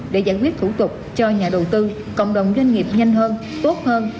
để giải quyết thủ tục cho nhà đầu tư cộng đồng doanh nghiệp nhanh hơn tốt hơn